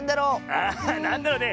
⁉あっなんだろうね。